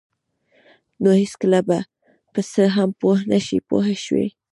نو هېڅکله به په څه هم پوه نشئ پوه شوې!.